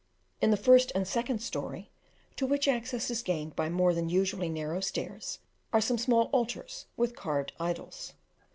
In the first and second story, to which access is gained by more than usually narrow stairs, are some small altars with carved idols.